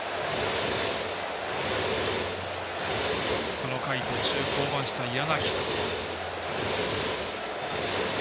この回途中で降板した柳。